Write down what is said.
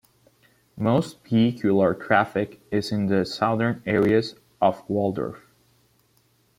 Most vehicular traffic is in the southern areas of Waldorf.